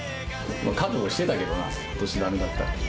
覚悟してたけどな、ことしだめだったら。